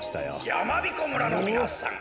やまびこ村のみなさん。